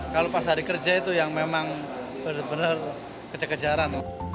kalau pas hari kerja itu yang memang benar benar kejar kejaran